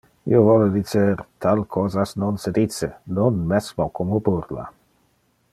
Io vole dicer: tal cosas non se dice, non mesmo como burla!